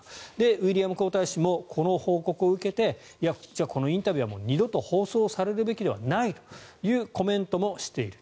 ウィリアム皇太子もこの報告を受けてこのインタビューは二度と放送されるべきではないというコメントもしている。